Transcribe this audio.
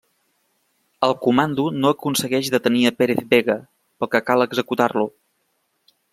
El comando no aconsegueix detenir a Pérez Vega, pel que cal executar-ho.